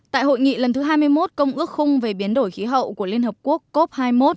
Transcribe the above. tại hội nghị lần thứ hai mươi một công ước khung về biến đổi khí hậu của liên hợp quốc cop hai mươi một